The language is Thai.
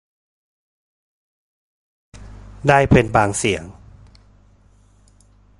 ได้เป็นบางเสียง